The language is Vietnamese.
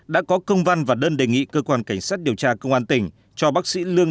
đã có công văn và đơn đề nghị cơ quan cảnh sát điều tra công an tỉnh cho bác sĩ lương